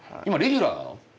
今レギュラーなの？